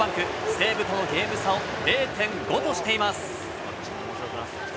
西武とのゲーム差を０．５としています。